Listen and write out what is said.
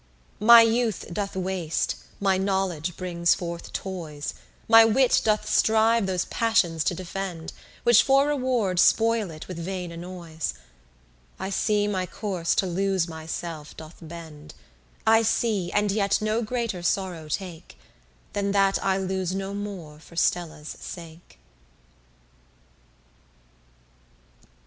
My youth doth waste, my knowledge brings forth toys, My wit doth strive those passions to defend, Which for reward spoil it with vain annoys. I see my course to lose myself doth bend: I see and yet no greater sorrow take, Than that I lose no more for Stella's sake.